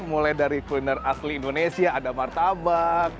mulai dari kuliner asli indonesia ada martabak